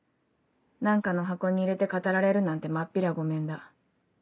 何かの箱に入れて語られるなんて真っ平ごめんだ。